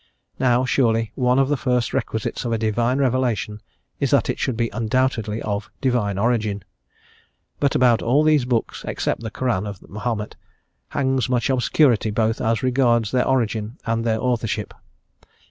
Now surely one of the first requisites of a Divine revelation is that it should be undoubtedly of Divine origin. But about all these books, except the Koran of Mahomet, hangs much obscurity both as regards their origin and their authorship.